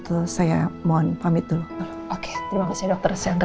tadi saya sempat mengatakan hal hal yang sulit untuk diingat